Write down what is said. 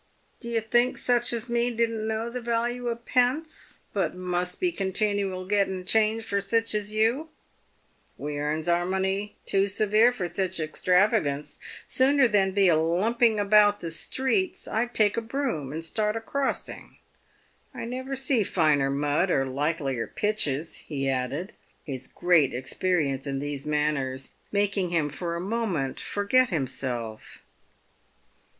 " Do you think sich as me don't know the value of pence, but must be continual getting change for sich as you ? We earns our money too severe for sich extravagance. Sooner than be a lumping about the streets, I'd take a broom, and start a crossing. I never see finer mud or likelier pitches," he added, his great experience in these matters making him for a moment forget himself.